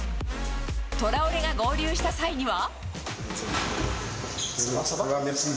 トラオレが合流した際には。